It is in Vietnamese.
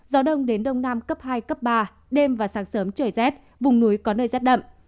gió đông đến đông nam cấp hai cấp ba đêm và sáng sớm trời rét vùng núi có nơi rét đậm